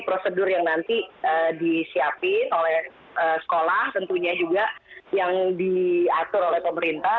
prosedur yang nanti disiapin oleh sekolah tentunya juga yang diatur oleh pemerintah